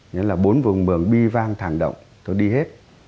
nghĩa là bốn vùng mường bi vang thẳng động tôi đi hết